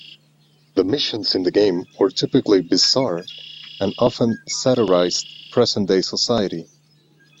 The missions in the game were typically bizarre and often satirised present-day society.